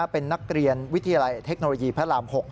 เป็นนักเรียนวิทยาลัยเทคโนโลยีพระราม๖